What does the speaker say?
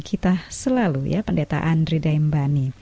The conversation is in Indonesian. kota sion yang terindah